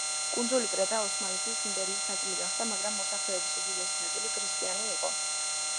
კუნძული კრეტა ოსმალეთის იმპერიის ნაწილი გახდა, მაგრამ მოსახლეობის უდიდესი ნაწილი ქრისტიანი იყო.